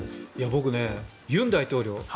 僕、尹大統領